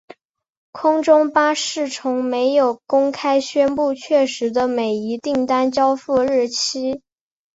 空中巴士从没有公开宣布确实的每一订单交付日期。